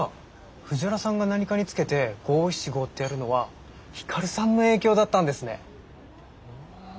藤原さんが何かにつけて５７５ってやるのは光さんの影響だったんですね。